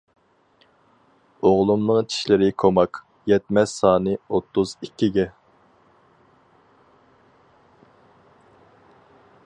ئوغلۇمنىڭ چىشلىرى كوماك، يەتمەس سانى ئوتتۇز ئىككىگە.